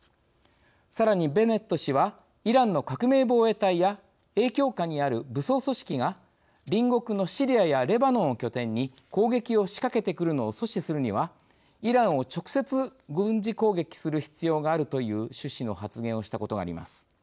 さらにベネット氏はイランの革命防衛隊や影響下にある武装組織が隣国のシリアやレバノンを拠点に攻撃を仕掛けてくるのを阻止するにはイランを直接軍事攻撃する必要があるという趣旨の発言をしたことがあります。